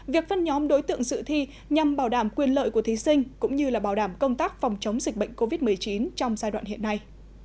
việc phân nhóm đối tượng dự thi nhằm bảo đảm quyền lợi của thí sinh cũng như bảo đảm công tác phòng chống dịch bệnh covid một mươi chín trong giai đoạn hiện nay